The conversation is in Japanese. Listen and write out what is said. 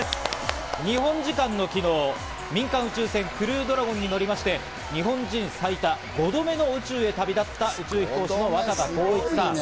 日本時間の昨日、民間宇宙船・クルードラゴンに乗りまして、日本人最多５度目の宇宙へ旅立った宇宙飛行士の若田光一さん。